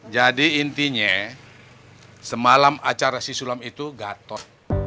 jadi intinya semalam acara si sulam itu gatot